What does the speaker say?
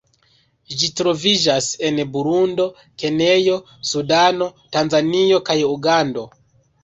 Ĝi troviĝas en Burundo, Kenjo, Sudano, Tanzanio kaj Ugando.